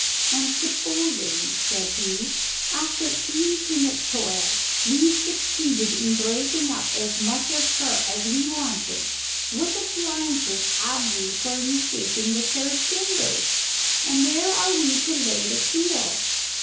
"And supposing," said he, "after infinite toil we succeeded in breaking up as much of her as we wanted, what appliances have we for reshaping the curved timbers? and where are we to lay the keel?